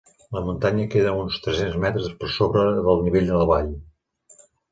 La muntanya queda a uns tres-cents metres per sobre del nivell de la vall.